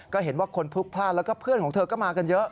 ก็เห็นว่าคนพลุกพลาดแล้วก็เพื่อนของเธอก็มากันเยอะ